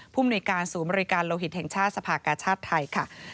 ผู้บริการสูงบริการโลหิตแห่งชาติสภาคกาชาติไทยค่ะ